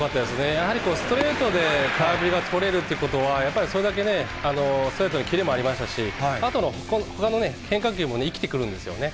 やはりストレートで空振りが取れるということは、やっぱりそれだけね、ストレートに切れもありましたし、あとの、ほかのね、変化球も生きてくるんですよね。